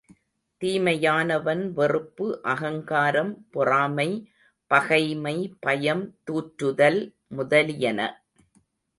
தீமையாவன வெறுப்பு, அகங்காரம், பொறாமை, பகைமை, பயம், தூற்றுதல் முதலியன.